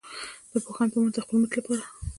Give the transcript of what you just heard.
د پوهانو په مټ د خپل ملت لپاره.